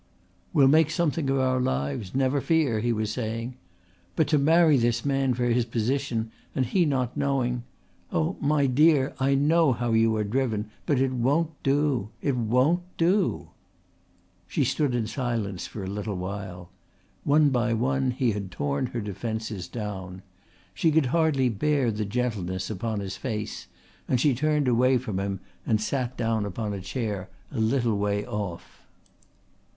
"We'll make something of our lives, never fear," he was saying. "But to marry this man for his position, and he not knowing oh, my dear, I know how you are driven but it won't do! It won't do!" She stood in silence for a little while. One by one he had torn her defences down. She could hardly bear the gentleness upon his face and she turned away from him and sat down upon a chair a little way off.